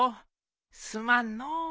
すまんのお。